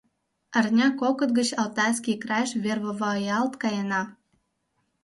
— Арня-кокыт гыч Алтайский крайыш вервоваялт каена.